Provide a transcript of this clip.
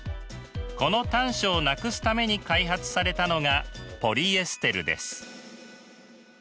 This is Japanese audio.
この短所をなくすために開発されたのがポリエステルです。